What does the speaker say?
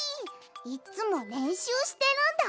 いっつもれんしゅうしてるんだ。